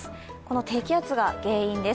低気圧が原因です。